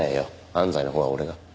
安西のほうは俺が。